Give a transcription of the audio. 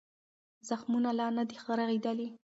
زخمونه لا نه دي رغېدلي.